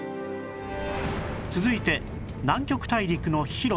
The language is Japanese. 続いて南極大陸の広さ